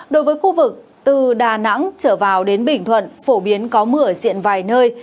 đối với khu vực từ đà nẵng trở vào đến bình thuận phổ biến có mưa diện vài nơi